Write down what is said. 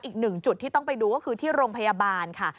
อีกหนึ่งจุดที่ต้องไปดูก็คือที่โรงพยาบาลค่ะ